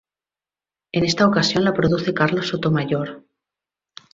En esta ocasión la produce Carlos Sotomayor.